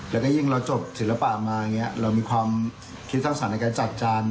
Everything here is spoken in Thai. และยิ่งเราก็จบศิลปะมาเรามีความคิดทักษะการจัดจาน